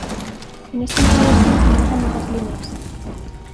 En esta nueva versión se agrega nuevas líneas.